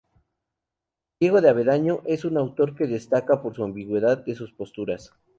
Diego de Avendaño es un autor que destaca por la ambigüedad de sus posturas.